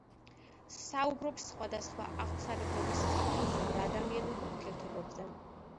საუბრობს სხვადასხვა აღმსარებლობის ხალხებზე და ადამიანურ ურთიერთობებზე.